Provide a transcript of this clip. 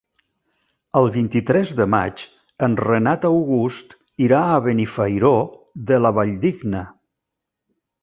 El vint-i-tres de maig en Renat August irà a Benifairó de la Valldigna.